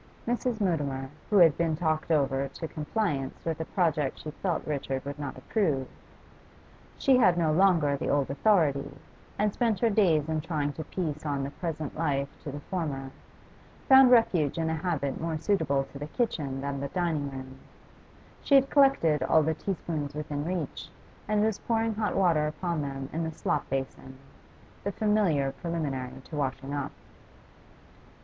Mrs. Mutimer, who had been talked over to compliance with a project she felt Richard would not approve she had no longer the old authority, and spent her days in trying to piece on the present life to the former found refuge in a habit more suitable to the kitchen than the dining room; she had collected all the teaspoons within reach and was pouring hot water upon them in the slop basin, the familiar preliminary to washing up.